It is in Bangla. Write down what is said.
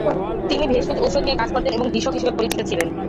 তিনি ভেষজ ঔষধ নিয়ে কাজ করতেন এবং ভিষক হিসেবে পরিচিত ছিলেন।